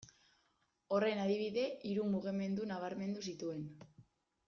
Horren adibide, hiru mugimendu nabarmendu zituen.